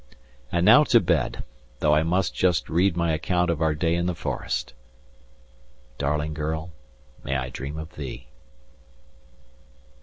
And now to bed, though I must just read my account of our day in the forest. Darling girl, may I dream of thee.